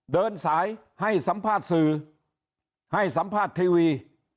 เดินสายให้สัมภาษณ์สื่อให้สัมภาษณ์ทีวี